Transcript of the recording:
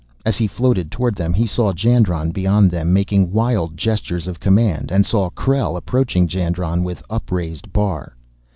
As he floated toward them, he saw Jandron beyond them making wild gestures of command and saw Krell approaching Jandron with upraised bar.